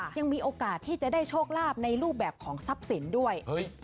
ยังมีโอกาสที่จะได้โชคลาภในรูปแบบของทรัพย์สินด้วย